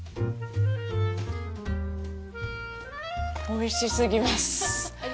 おいしすぎます。